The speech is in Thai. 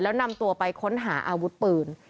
แล้วนำตัวไปค้นหาอาวุธปืน